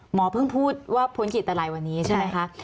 เพิ่งพูดว่าพ้นขีดตรายวันนี้ใช่ไหมคะ